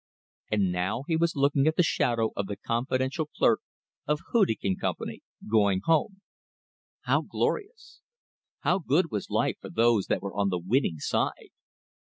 And now he was looking at the shadow of the confidential clerk of Hudig & Co. going home. How glorious! How good was life for those that were on the winning side!